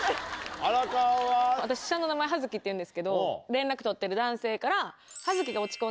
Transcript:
荒川は？っていうんですけど連絡取ってる男性から。